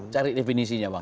cari definisinya bang